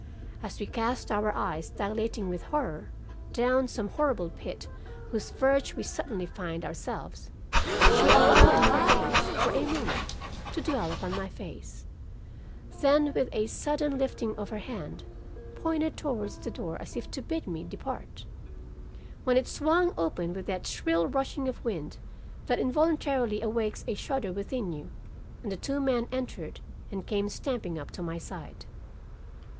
As we cast our eyes dilating with horror, down some horrible pit upon whose verge we suddenly find ourselves, she allowed her gaze for a moment to dwell upon my face, then with a sudden lifting of her hand, pointed towards the door as if to bid me depart when it swung open with that shrill rushing of wind that involuntarily awakes a shudder within you, and the two men entered and came stamping up to my side.